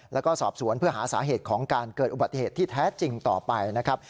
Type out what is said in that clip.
แล้วก็สอบสวนเพื่อหาสาเหตุของการเกิดอุบัติเหตุที่แท้จริงต่อไปนะครับ